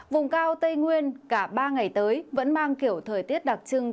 vùng cao tây nguyên cả ba ngày tới vẫn mang kiểu thời tiết đặc trưng